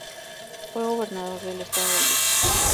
Fue gobernador del Estado de Utah.